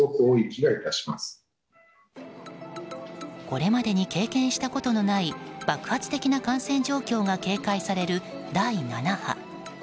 これまでに経験したことのない爆発的な感染状況が懸念される第７波。